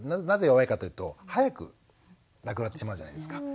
なぜ弱いかというと早く亡くなってしまうじゃないですか。